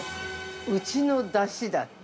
「うちのだし」だって。